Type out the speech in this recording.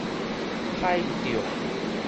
海釣